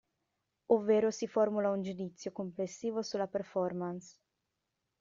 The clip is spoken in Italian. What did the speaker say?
Ovvero si formula un giudizio complessivo sulla performance.